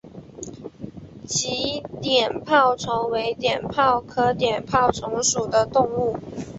鲫碘泡虫为碘泡科碘泡虫属的动物。